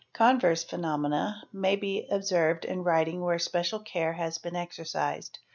) Converse phenomena may be observed in writing where special care has been exercised.